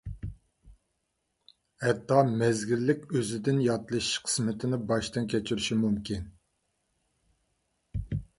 ھەتتا مەزگىللىك ئۆزىدىن ياتلىشىش قىسمىتىنى باشتىن كەچۈرۈشى مۇمكىن.